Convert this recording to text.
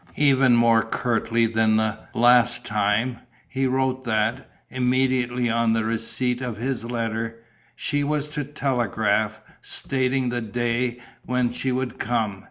Even more curtly than last time, he wrote that, immediately on the receipt of his letter, she was to telegraph, stating the day when she would come.